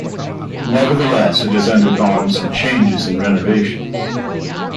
Nevertheless, it has undergone some changes and renovations.